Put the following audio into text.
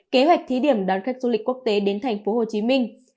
kế hoạch thí điểm đón khách du lịch quốc tế đến thành phố hồ chí minh